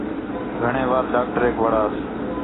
گھݨیں وار ڈاکٹریک وڑائس